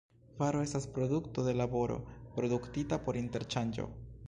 Varo estas produkto de laboro, produktita por interŝanĝo.